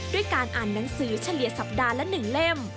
ด้วยการอ่านหนังสือเฉลี่ยสัปดาห์ละ๑เล่ม